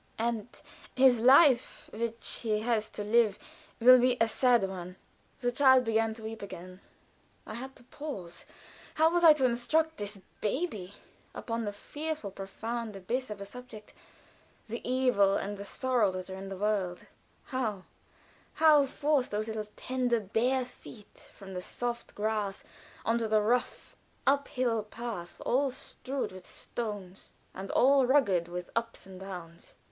"And his life which he has to live will be a sad one." The child began to weep again. I had to pause. How was I to open my lips to instruct this baby upon the fearful, profound abyss of a subject the evil and the sorrow that are in the world how, how force those little tender, bare feet, from the soft grass on to the rough up hill path all strewed with stones, and all rugged with ups and downs?